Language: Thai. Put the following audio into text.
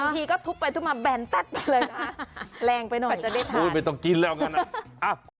บางทีก็ทุบไปทุบมาแบนจัดไปเลยนะแรงไปหน่อยค่ะไม่ต้องกินแล้วกันนะ